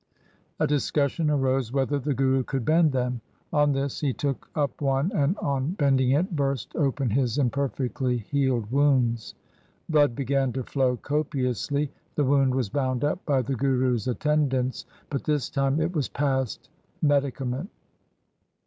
A discussion arose whether the Guru could bend them. On this he took up one and on bending it burst open his imperfectly healed wounds. Blood began to flow copiously. The wound was bound up by the Guru's attendants, but this time it was past medicament.